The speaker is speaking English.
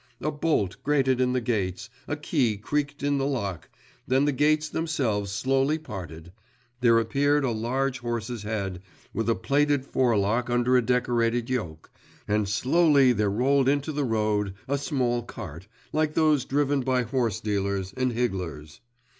a bolt grated in the gates, a key creaked in the lock, then the gates themselves slowly parted, there appeared a large horse's head, with a plaited forelock under a decorated yoke, and slowly there rolled into the road a small cart, like those driven by horse dealers, and higglers.